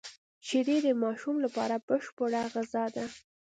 شیدې د ماشوم لپاره بشپړه غذا ده